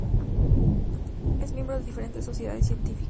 Es miembro de diferentes sociedades científicas.